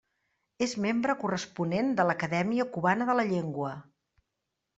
És membre corresponent de l'Acadèmia Cubana de la Llengua.